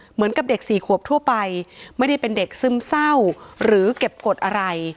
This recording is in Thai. เหมือนกับเด็กสี่ขวบทั่วไปไม่ได้เป็นเด็กซึมเศร้าหรือเก็บกฎอะไร